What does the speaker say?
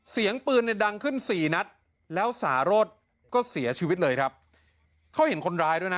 เสียงปืนเนี่ยดังขึ้นสี่นัดแล้วสารสก็เสียชีวิตเลยครับเขาเห็นคนร้ายด้วยนะ